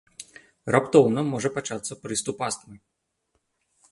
Раптоўна можа пачацца прыступ астмы.